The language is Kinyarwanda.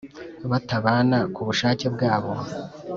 Batabana ku bushake bwabo